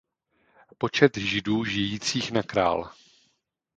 Počet Židů žijících na Král.